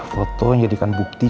foto yang jadikan bukti